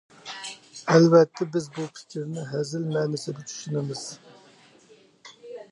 ئەلۋەتتە، بىز بۇ پىكىرنى ھەزىل مەنىسىدە چۈشىنىمىز.